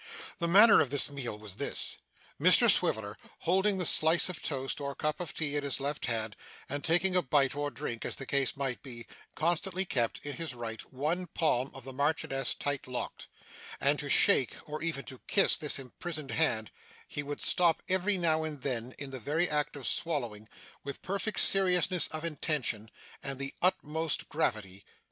The manner of this meal was this: Mr Swiveller, holding the slice of toast or cup of tea in his left hand, and taking a bite or drink, as the case might be, constantly kept, in his right, one palm of the Marchioness tight locked; and to shake, or even to kiss this imprisoned hand, he would stop every now and then, in the very act of swallowing, with perfect seriousness of intention, and the utmost gravity.